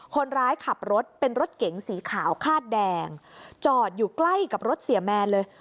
คนร้ายขับรถเป็นรถเก๋งสีขาวคาดแดงจอดอยู่ใกล้กับรถเสียแมนเลย